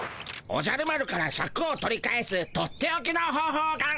おじゃる丸からシャクを取り返すとっておきの方ほうをかん。